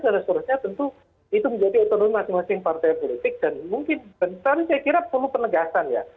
seterusnya tentu itu menjadi otonom masing masing partai politik dan mungkin bentar saya kira perlu penegasan ya